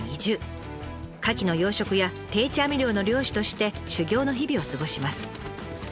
カキの養殖や定置網漁の漁師として修業の日々を過ごします。